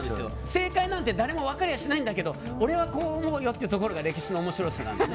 正解なんて誰にも分かりやしないんだけど俺はこう思うってところが歴史の面白さなので。